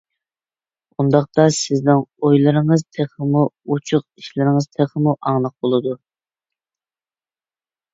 ئۇنداقتا سىزنىڭ ئويلىرىڭىز تېخىمۇ ئوچۇق، ئىشلىرىڭىز تېخىمۇ ئاڭلىق بولىدۇ.